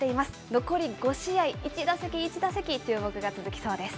残り５試合、一打席一打席、注目が続きそうです。